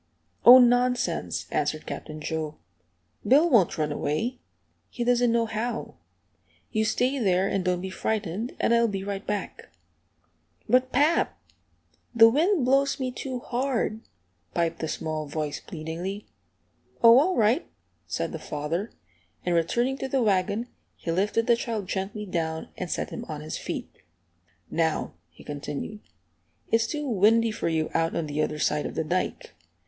"Oh, nonsense!" answered Captain Joe. "Bill won't run away. He doesn't know how. You stay there, and don't be frightened, and I'll be right back." "But, pap, the wind blows me too hard," piped the small voice, pleadingly. "Oh, all right," said the father, and returning to the wagon he lifted the child gently down and set him on his feet. "Now," he continued, "it's too windy for you out on the other side of the dike.